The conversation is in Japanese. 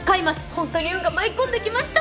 ほんとに運が舞い込んできました。